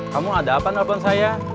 kamu ada apa nelfon saya